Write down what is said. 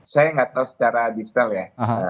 saya nggak tahu secara detail ya